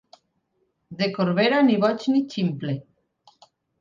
De Corbera, ni boig ni ximple.